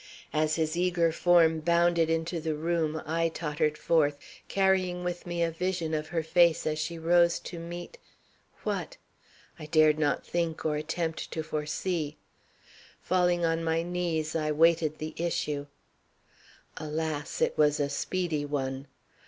As his eager form bounded into the room I tottered forth, carrying with me a vision of her face as she rose to meet what? I dared not think or attempt to foresee. Falling on my knees I waited the issue. Alas! It was a speedy one.